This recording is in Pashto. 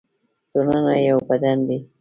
ټولنه یو بدن دی